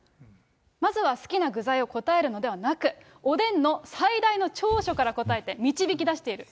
まずは好きな具材を答えるのではなく、おでんの最大の長所から答えて、導き出している。